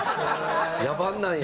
野蛮なんや？